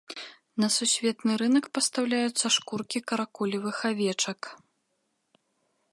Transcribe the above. На сусветны рынак пастаўляюцца шкуркі каракулевых авечак.